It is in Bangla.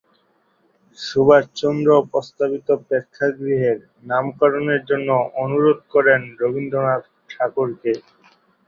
সুভাষচন্দ্র প্রস্তাবিত প্রেক্ষাগৃহের নামকরণের জন্য অনুরোধ করেন রবীন্দ্রনাথ ঠাকুরকে।